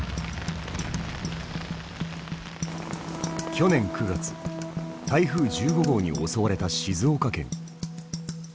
去年９月台風１５号に襲われた静岡県。